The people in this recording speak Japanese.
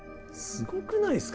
すごくないですか？